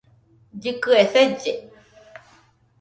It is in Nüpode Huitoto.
Llɨkɨe selle